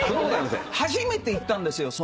初めて行ったんですよ。